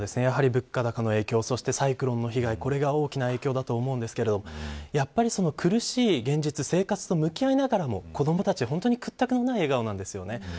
物価高の影響、サイクロンの被害、これが大きな影響だと思うんですけど苦しい現実と向き合いながらも子どもたちは屈託のない笑顔なんですよね。